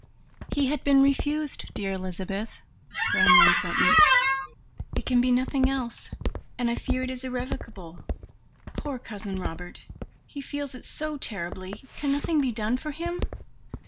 "He had been refused, dear Elizabeth," ran one sentence, "it can be nothing else, and I fear it is irrevocable. Poor Cousin Robert! He feels it so terribly. Can nothing be done for him?